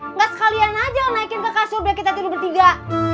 enggak sekalian aja naikin ke kasur biar kita tidur bertiga